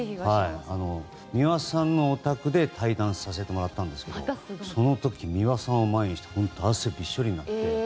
三輪さんのお宅で対談させてもらったんですけどその時、美輪さんを前にして汗びっしょりになって。